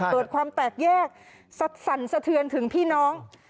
เกิดความแตกแยกสัดสะเทือนถึงพี่น้อง